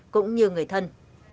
cũng như người thân